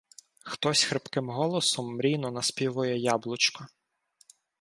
Хтось хрипким голосом мрійно наспівує "Яблочко".